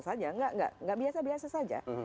saja nggak biasa biasa saja